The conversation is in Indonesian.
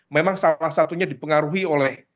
memang salah satunya dipengaruhi oleh